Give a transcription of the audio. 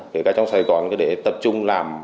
kể cả trong sài gòn để tập trung